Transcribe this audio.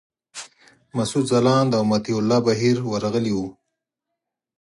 مسعود ځلاند او مطیع الله بهیر ورغلي وو.